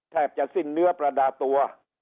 แทบจะสิ้นเนื้อประดาตัว